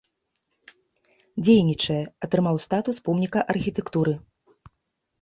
Дзейнічае, атрымаў статус помніка архітэктуры.